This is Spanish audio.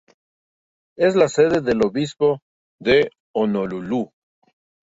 Es la sede del obispo de Honolulu.